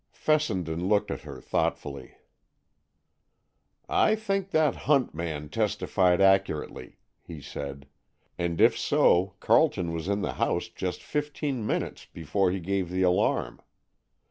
Fessenden looked at her thoughtfully. "I think that Hunt man testified accurately," he said. "And if so, Carleton was in the house just fifteen minutes before he gave the alarm.